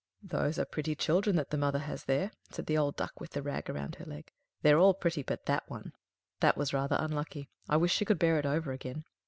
"Those are pretty children that the mother has there," said the old Duck with the rag round her leg. "They're all pretty but that one; that was rather unlucky. I wish she could bear it over again."